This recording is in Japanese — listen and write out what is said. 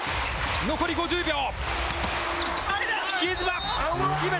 残り５０秒。